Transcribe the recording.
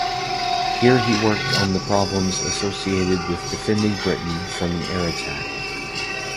Here he worked on the problems associated with defending Britain from an air attack.